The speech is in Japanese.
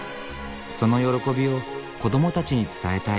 その喜びを子どもたちに伝えたい。